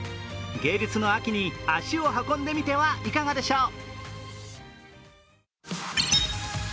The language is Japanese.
芸術の秋に足を運んでみてはいかがでしょう。